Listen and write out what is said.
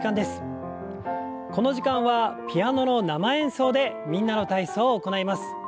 この時間はピアノの生演奏で「みんなの体操」を行います。